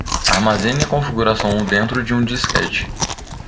Armazene a configuração dentro de um disquete.